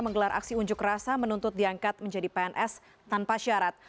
menggelar aksi unjuk rasa menuntut diangkat menjadi pns tanpa syarat